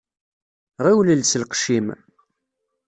Ɣiwel els lqecc-im.